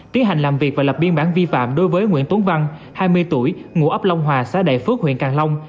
tiến hành làm việc và lập biên bản vi phạm đối với nguyễn tuấn văn hai mươi tuổi ngụ ấp long hòa xã đại phước huyện càng long